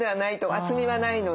厚みはないので。